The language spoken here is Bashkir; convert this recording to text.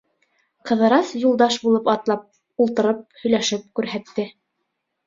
Ҡыҙырас Юлдаш булып атлап, ултырып, һөйләшеп күрһәтте.